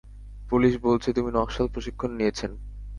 Police বলছে তুমি নকশাল প্রশিক্ষণ নিয়েছেন।